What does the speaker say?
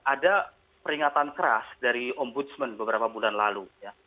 ada peringatan keras dari ombudsman beberapa bulan lalu